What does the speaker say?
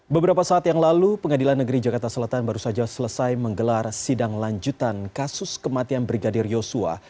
beberapa saat yang lalu pengadilan negeri jakarta selatan baru saja selesai menggelar sidang lanjutan kasus kematian brigadir yosua